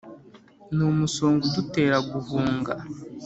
Ni umusonga udutera guhunga